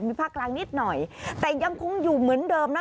มีภาคกลางนิดหน่อยแต่ยังคงอยู่เหมือนเดิมนะ